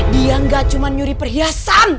dia gak cuma nyuri perhiasan